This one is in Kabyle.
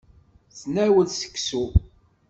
Tnawel seksu.